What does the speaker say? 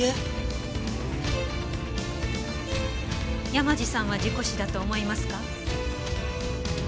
山路さんは事故死だと思いますか？